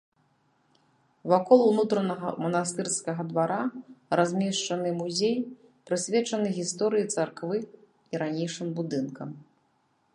Вакол ўнутранага манастырскага двара размешчаны музей, прысвечаны гісторыі царквы і ранейшым будынкам.